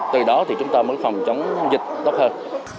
từ đó thì chúng ta muốn phòng chống dịch tốt hơn